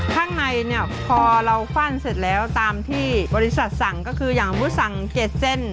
ข้างในเนี่ยพอเราฟั่นเสร็จแล้วตามที่บริษัทสั่งก็คืออย่างสมมุติสั่ง๗เส้น